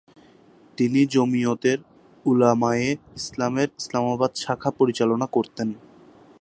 তিনি জমিয়তে উলামায়ে ইসলামের ইসলামাবাদ শাখা পরিচালনা করতেন।